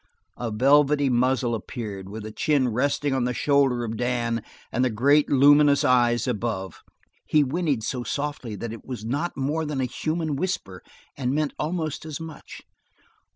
A velvety muzzle appeared, with the chin resting on the shoulder of Dan and the great, luminous eyes above. He whinnied so softly that it was not more than a human whisper, and meant almost as much.